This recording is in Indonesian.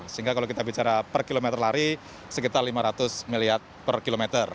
sehingga kalau kita bicara per kilometer lari sekitar lima ratus miliar per kilometer